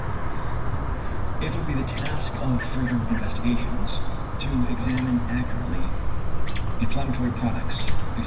It will be the task of further investigations to examine accurately inflammatory products, _e.g.